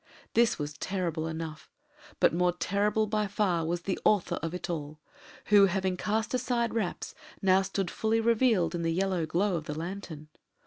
This was terrible enough, but more terrible by far was the author of it all, who, having cast aside wraps, now stood fully revealed in the yellow glow of a lantern.